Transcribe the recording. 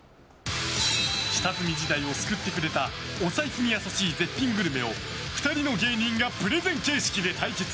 下積み時代を救ってくれたお財布に優しい絶品グルメを２人の芸人がプレゼン形式で対決。